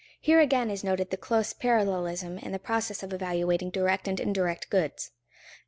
_ Here again is noted the close parallelism in the process of evaluating direct and indirect goods.